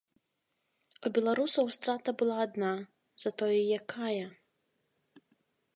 У беларусаў страта была адна, затое якая!